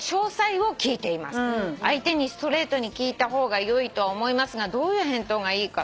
「相手にストレートに聞いた方がよいとは思いますがどういう返答がいいか」